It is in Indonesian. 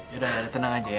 ya udah tenang aja ya